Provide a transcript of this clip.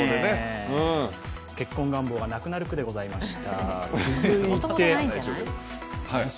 結婚願望がなくなる句でございました。